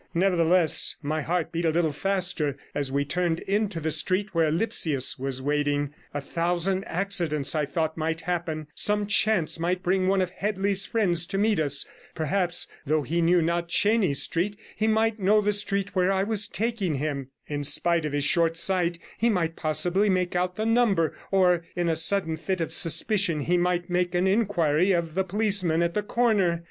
Nevertheless, my heart beat a little faster as we turned into the street where Lipsius was waiting. A thousand accidents, I thought, might happen; some chance might bring one of Headley's friends to meet us; perhaps, though he knew not Chenies Street, he might know the street where I was taking him; in spite of his short sight, he might possibly make out the number; or, in a sudden fit of suspicion, he might make an inquiry of the policeman at the corner.